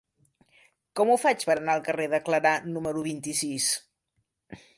Com ho faig per anar al carrer de Clarà número vint-i-sis?